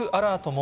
も